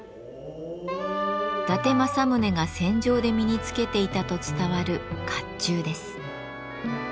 伊達政宗が戦場で身につけていたと伝わる甲冑です。